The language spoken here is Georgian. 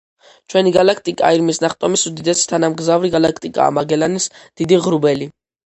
ჩვენი გალაქტიკა ირმის ნახტომის უდიდესი თანამგზავრი გალაქტიკაა მაგელანის დიდი ღრუბელი.